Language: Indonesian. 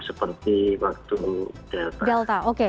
seperti waktu delta